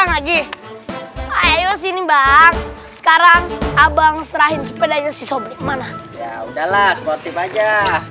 lagi ayo sini bang sekarang abang serahin sepedanya si sop mana ya udahlah sportif aja